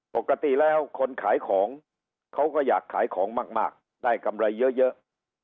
ปกติแล้วคนขายของเขาก็อยากขายของมากได้กำไรเยอะ